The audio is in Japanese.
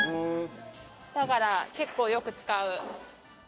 だから結構よく使う。